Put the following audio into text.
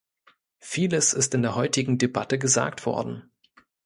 Vieles ist in der heutigen Debatte gesagt worden.